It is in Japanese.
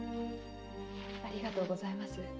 ありがとうございます。